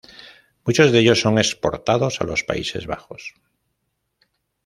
Muchos de ellos son exportados a los Países Bajos.